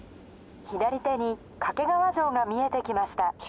左手に掛川城が見えてきました。